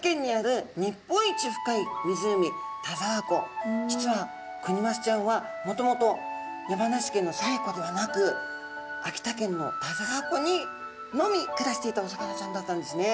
さあ実はクニマスちゃんはもともと山梨県の西湖ではなく秋田県の田沢湖にのみ暮らしていたお魚ちゃんだったんですね。